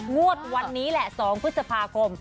งวดวันนี้แหละ๒พฤษภาคม